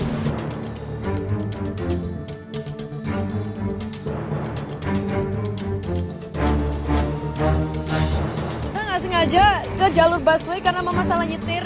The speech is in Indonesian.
kita gak sengaja ke jalur busway karena mama salah nyetir